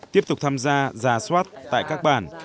tiếp tục tham gia gia soát tại các bàn